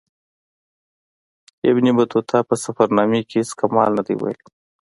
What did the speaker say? ابن بطوطه په سفرنامې کې هیڅ کمال نه دی ویلی.